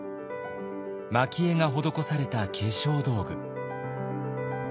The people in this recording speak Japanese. まき絵が施された化粧道具。